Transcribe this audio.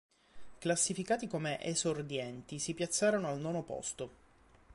Classificati come "esordienti", si piazzarono al nono posto.